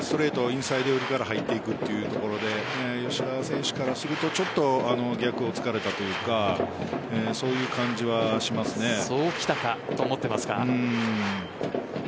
インサイド寄りから入っていくというところで吉田選手からするとちょっと逆を突かれたというかそうきたかと思っていますか。